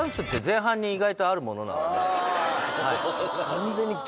完全に。